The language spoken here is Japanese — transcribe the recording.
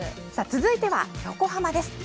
続いては横浜です